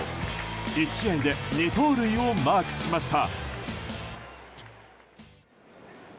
１試合で２盗塁をマークしました。